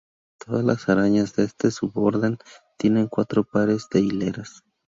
Todas las arañas de este suborden tienen cuatro pares de hileras.